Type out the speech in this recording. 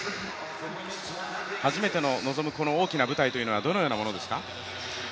初めて臨むこの大きな舞台というのはどのようなものですか？